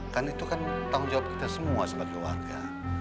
kan itu kan tanggung jawab kita semua sebagai warga